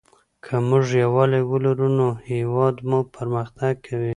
که موږ یووالي ولرو نو هېواد مو پرمختګ کوي.